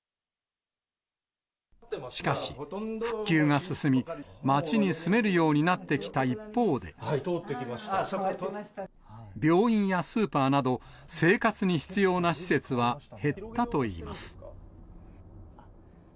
しかし、復旧が進み、町に住めるようになってきた一方で、病院やスーパーなど、生活に必要な施設は減ったといいます。